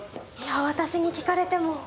いや私に聞かれても。